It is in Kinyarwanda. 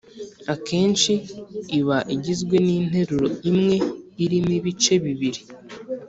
Akenshi iba igizwe n’interuro imwe irimo ibice bibiri